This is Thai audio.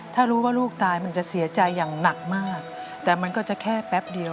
ถ้ารู้ว่าลูกตายมันจะเสียใจอย่างหนักมากแต่มันก็จะแค่แป๊บเดียว